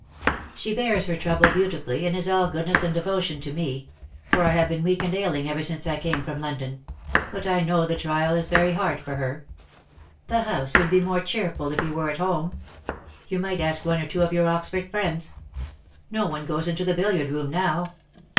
'^ She bears her trouble beautifully, and is all goodness and devotion to me — for I have been weak and ailing ever since I came from London — but I know the trial is very hard for her. The house would be more cheerful if you were at home. You might ask one or two of your Oxford friends. No one goes into the billiard room now.